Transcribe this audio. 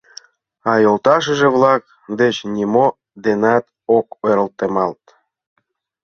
А йолташыже-влак деч нимо денат ок ойыртемалт.